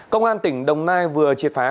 công an tỉnh đồng nai vừa triệt phá